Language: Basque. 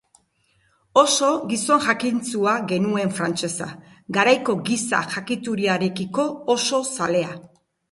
Oso gizon jakintsua genuen frantsesa, garaiko giza jakituriarekiko oso zalea.